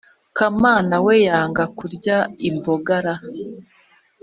kamana we yanga kurya imboga ra!